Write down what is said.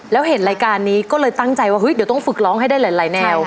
แล้วเห็นรายการนี้ก็เลยตั้งใจว่าเฮ้ยเดี๋ยวต้องฝึกร้องให้ได้หลายแนว